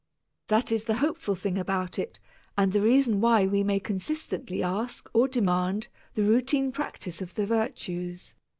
That is the hopeful thing about it and the reason why we may consistently ask or demand the routine practice of the virtues.